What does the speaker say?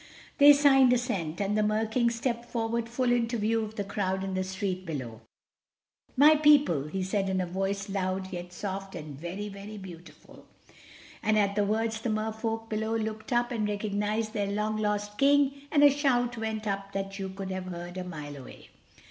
They signed assent. And the Mer King stepped forward full into view of the crowd in the street below. "My people," he said in a voice loud, yet soft, and very, very beautiful. And at the words the Mer Folk below looked up and recognized their long lost King, and a shout went up that you could have heard a mile away.